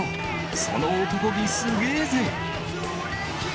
その男気、すげぇぜ！